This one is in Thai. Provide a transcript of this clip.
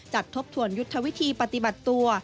ทบทวนยุทธวิธีปฏิบัติตัว